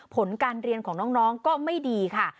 ผลการเรียนของน้องก็ไม่ดีค่ะ